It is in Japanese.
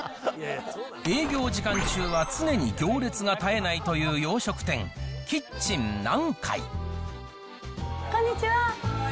営業時間中は常に行列が絶えないという洋食店、キッチン南海こんにちは。